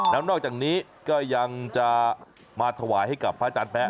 แล้วนอกจากนี้ก็ยังจะมาถวายให้กับพระอาจารย์แป๊ะ